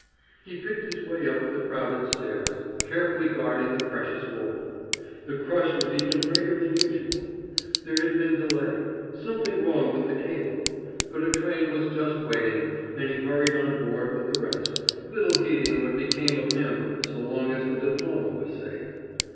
He picked his way up the crowded stairs, carefully guarding the precious roll. The crush was even greater than usual. There had been delay something wrong with the cable; but a train was just waiting, and he hurried on board with the rest, little heeding what became of him so long as the diploma was safe.